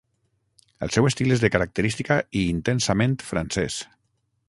El seu estil és de característica i intensament francès.